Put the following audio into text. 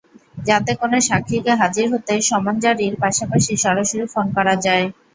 যাতে কোনো সাক্ষীকে হাজির হতে সমন জারির পাশাপাশি সরাসরি ফোন করা যায়।